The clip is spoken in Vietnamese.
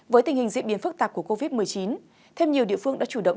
với tình hình diễn biến phức tạp của covid một mươi chín thêm nhiều địa phương đã chủ động